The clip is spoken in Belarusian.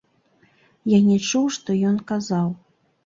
Я не чуў, што ён казаў.